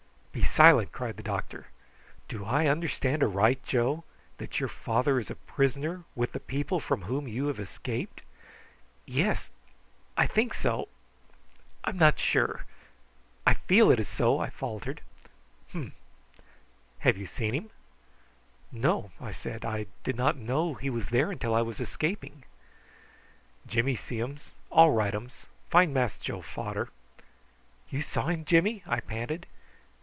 "Be silent!" cried the doctor. "Do I understand aright, Joe, that your father is a prisoner with the people from whom you have escaped?" "Yes I think so I am not sure I feel it is so," I faltered. "Humph!" "Have you seen him?" "No," I said. "I did not know he was there till I was escaping." "Jimmy see um. All rightums. Find Mass Joe fader." "You saw him, Jimmy?" I panted.